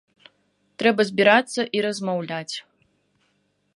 Трэба збірацца і размаўляць.